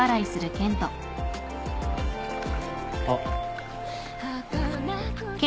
あっ。